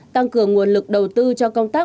tăng cường nguồn lực đầu tư cho công tác